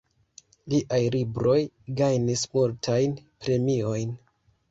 Liaj libroj gajnis multajn premiojn.